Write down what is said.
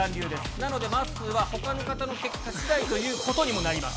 なので、まっすーはほかの方の結果しだいということにもなります。